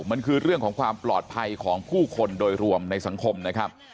มันคือเรื่องของความปลอดภัยของผู้คนโดยรวมในสังคมนะครับ